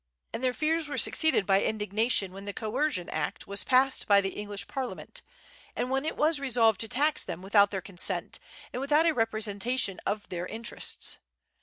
And their fears were succeeded by indignation when the Coercion Act was passed by the English parliament, and when it was resolved to tax them without their consent, and without a representation of their interests.